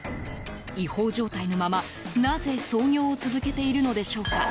違法状態のまま、なぜ操業を続けているのでしょうか。